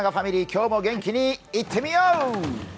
今日も元気にいってみよう！